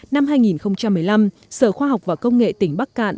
năm hai nghìn một mươi năm sở khoa học và công nghệ tỉnh bắc cạn